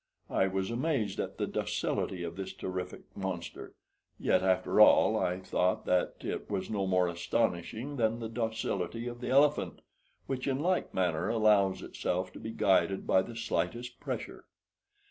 I was amazed at the docility of this terrific monster; yet, after all, I thought that it was no more astonishing than the docility of the elephant, which in like manner allows itself to be guided by the slightest pressure.